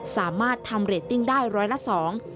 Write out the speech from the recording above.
สามารถทำเรตติ้งได้ร้อยละสอง